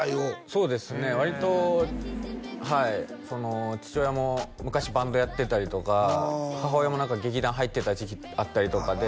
そうですね割とはい父親も昔バンドやってたりとか母親も劇団入ってた時期あったりとかであ